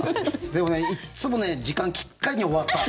でもね、いつも時間きっかりに終わった。